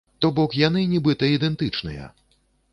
То бок, яны нібыта ідэнтычныя.